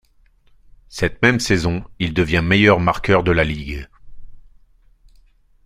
Cette même saison, il devient meilleur marqueur de la ligue.